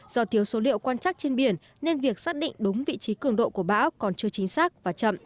do thiếu số liệu quan chắc trên biển nên việc xác định đúng vị trí cường độ của bão còn chưa chính xác và chậm